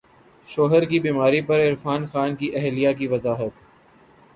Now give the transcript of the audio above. شوہر کی بیماری پر عرفان خان کی اہلیہ کی وضاحت